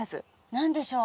何でしょう？